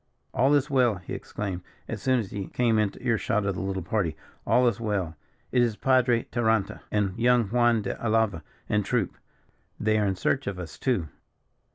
"All is well," he exclaimed, as soon as he came into ear shot of the little party; "all is well. It is Padre Taranta and young Juan de Alava, and troop. They are in search of us, too."